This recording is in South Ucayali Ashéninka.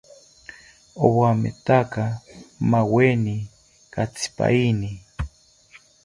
Owawetaka maaweni katsipaini